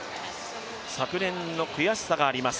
昨年の悔しさがあります。